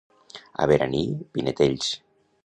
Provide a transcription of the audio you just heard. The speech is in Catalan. A Beraní, pinetells.